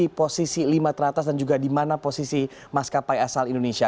di posisi lima teratas dan juga di mana posisi maskapai asal indonesia